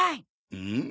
うん？